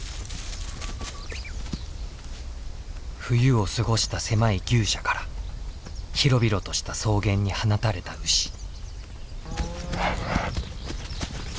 冬を過ごした狭い牛舎から広々とした草原に放たれた牛。